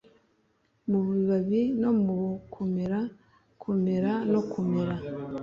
mu bibabi no kumera, kumera no kumera,